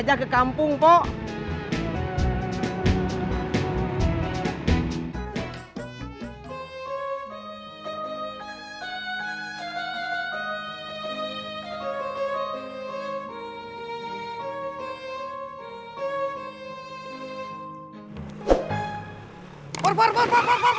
biar dia ke kampung pok